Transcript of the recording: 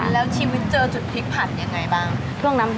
แล้วชีวิตเจอจุดพลิกผันยังไงบ้าง